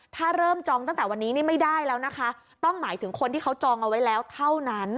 ถ้าเริ่มจองตั้งแต่วันนี้นี่ไม่ได้แล้วนะคะต้องหมายถึงคนที่เขาจองเอาไว้แล้วเท่านั้น